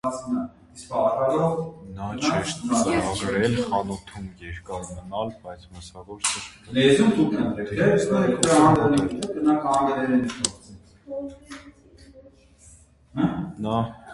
Նա չէր ծրագրել խանութում երկար մնալ, բայց մսագործը շփոթել էր պատվերը։